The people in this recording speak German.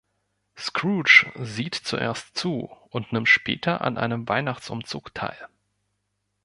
Scrooge sieht zuerst zu und nimmt später an einem Weihnachtsumzug teil.